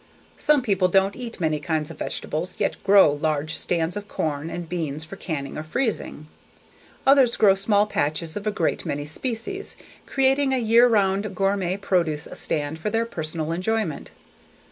Some people don't eat many kinds of vegetables yet grow large stands of corn and beans for canning or freezing. Others grow small patches of a great many species, creating a year round gourmet produce stand for their personal enjoyment.